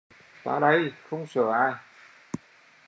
Ta đay không sợ ai